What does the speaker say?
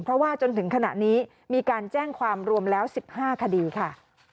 เพราะว่าจนถึงขณะนี้มีการแจ้งความรวมแล้ว๑๕คดีค่ะ